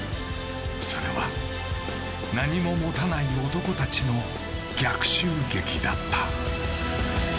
それは何も持たない男たちの逆襲劇だった。